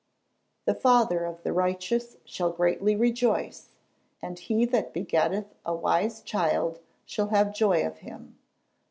[Verse: "The father of the righteous shall greatly rejoice; and he that begetteth a wise child shall have joy of him."